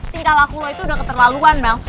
tingkah laku lo itu udah keterlaluan mel